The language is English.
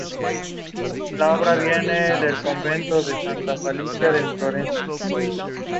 The film features Sidharth Malhotra and Rashmika Mandanna in the lead roles.